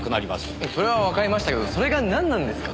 それはわかりましたけどそれがなんなんですか？